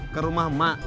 ke rumah mak